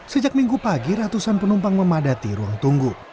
sejak minggu pagi ratusan penumpang memadati ruang tunggu